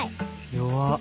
弱っ。